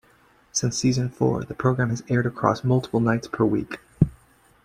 Since season four, the program has aired across multiple nights per week.